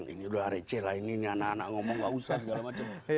ini udah receh lah ini anak anak ngomong gak usah segala macam